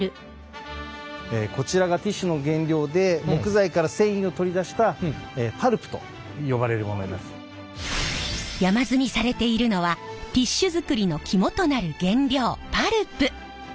こちらがティッシュの原料で山積みされているのはティッシュ作りの肝となる原料パルプ。